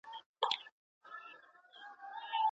د کورني نظام خطرونه بايد بيان کړل سي.